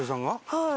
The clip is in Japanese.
はい。